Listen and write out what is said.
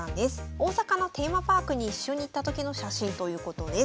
大阪のテーマパークに一緒に行った時の写真ということです。